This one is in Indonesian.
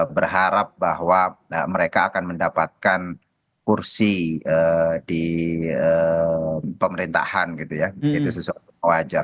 berharap bahwa mereka akan mendapatkan kursi di pemerintahan gitu ya itu sesuatu wajar